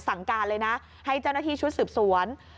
สั่งการเลยนะให้เจ้าหน้าที่ชุดสืบสวน